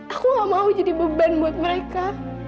aku gak mau jadi beban buat mereka